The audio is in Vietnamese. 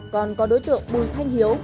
còn có đối tượng bùi thanh hiếu